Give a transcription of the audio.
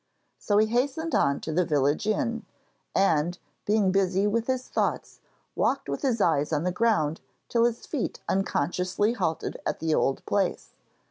So he hastened on to the village inn, and, being busy with his thoughts, walked with his eyes on the ground till his feet unconsciously halted at the old place.